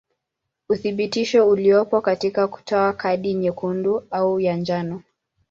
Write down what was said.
Uthibitisho uliopo katika kutoa kadi nyekundu au ya njano.